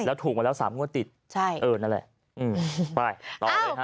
แล้วถูกมาแล้วสามงวดติดใช่เออนั่นแหละอืมไปต่อเลยฮะ